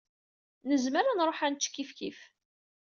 Nezmer ad nṛuḥ ad nečč kifkif.